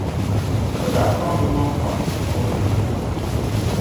Bɛ daa kpaŋ bɛ maŋa pam shikuru ni.